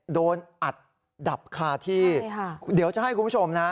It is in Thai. โดนอัดดับคาที่เดี๋ยวจะให้คุณผู้ชมนะ